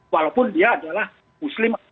walaupun dia adalah muslim